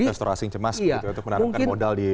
restorasi yang cemas gitu atau menaruhkan modal di